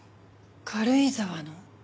軽井沢の？